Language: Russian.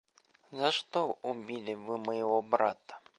За что убили вы моего брата?